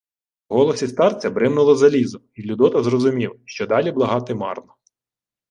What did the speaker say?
В голосі старця бримнуло залізо, й Людота зрозумів, що далі благати марно.